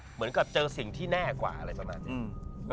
เหมือนกับเจอสิ่งที่แน่กว่าอะไรประมาณนี้